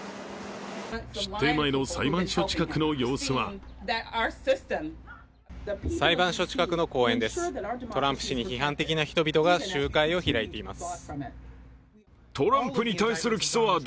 出廷前の裁判所近くの様子は裁判所近くの公園です、トランプ氏に批判的な人々が集会を開いています。